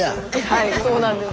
はいそうなんです。